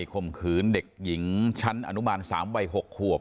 ข่มขืนเด็กหญิงชั้นอนุบาล๓วัย๖ขวบ